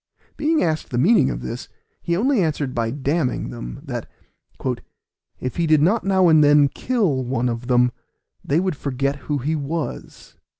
Being asked the meaning of this, he only answered by damning them, that "if he did not now and then kill one of them, they would forget who he was."